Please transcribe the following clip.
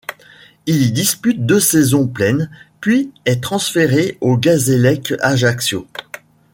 Il y dispute deux saisons pleines, puis est transféré au Gazélec Ajaccio.